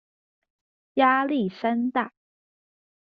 壓力山大